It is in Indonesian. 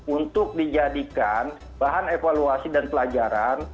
untuk dijadikan bahan evaluasi dan pelajaran